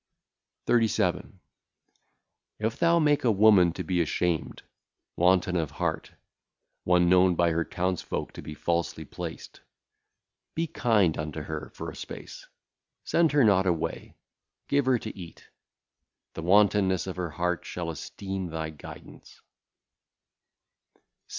37. If thou make a woman to be ashamed, wanton of heart, one known by her townsfolk to be falsely placed, be kind unto her for a space, send her not away, give her to eat. The wantonness of her heart shall esteem thy guidance.